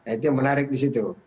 itu yang menarik di situ